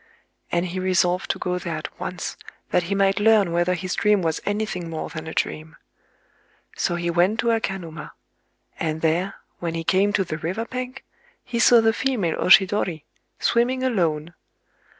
And he resolved to go there at once, that he might learn whether his dream was anything more than a dream. So he went to Akanuma; and there, when he came to the river bank, he saw the female oshidori swimming alone.